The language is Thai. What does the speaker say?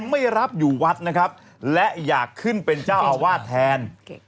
ไม่รับอยู่วัดนะครับและอยากขึ้นเป็นเจ้าอาวาสแทน